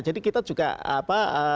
jadi kita juga apa